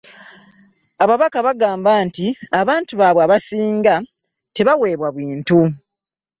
ababaka bagamba nti abantu baabwe abasinga tebaaweebwa bintu.